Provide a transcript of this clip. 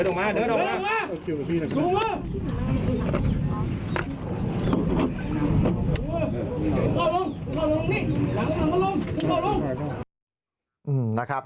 เดินมา